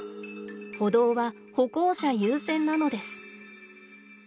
歩道は「歩行者優先」なのです。